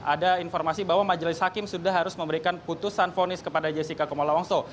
ada informasi bahwa majelis hakim sudah harus memberikan putusan fonis kepada jessica kumala wongso